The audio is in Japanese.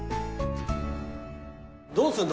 どうすんの？